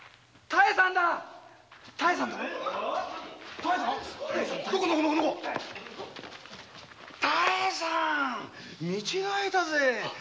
妙さん見違えたぜ‼